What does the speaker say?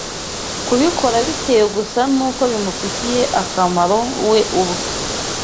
kubikora bitewe gusa n’uko bimufitiye akamaro we ubwe